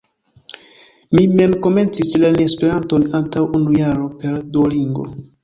Mi mem komencis lerni Esperanton antaŭ unu jaro per Duolingo.